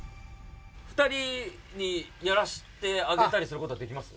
２人にやらしてあげたりすることはできます？